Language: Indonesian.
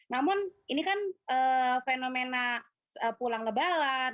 namun ini kan fenomena pulang lebaran